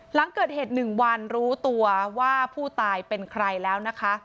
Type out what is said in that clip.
หลังเกิดเหตุ๑วันรู้ตัวว่าผู้ตายเป็นใครแล้วนะคะ